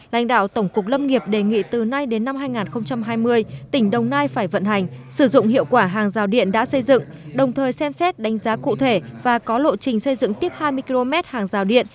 lãnh đạo tổng cục lâm nghiệp đề nghị từ nay đến năm hai nghìn hai mươi tỉnh đồng nai phải vận hành sử dụng hiệu quả hàng rào điện đã xây dựng đồng thời xem xét đánh giá cụ thể và có lộ trình xây dựng tiếp hai mươi km hàng rào điện